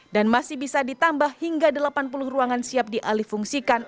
dan masih bisa ditambah hingga delapan puluh ruangan siap dialih fungsikan